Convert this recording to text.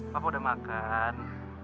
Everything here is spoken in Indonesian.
papa udah makan